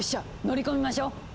乗り込みましょう！